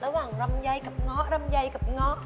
ระหว่างลำไยกับง๊อก